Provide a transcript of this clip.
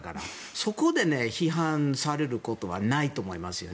そこで批判されることはないと思いますよね。